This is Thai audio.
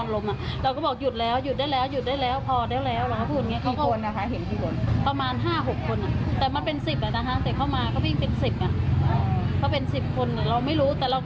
เราก็เลยวิ่งออกไปดู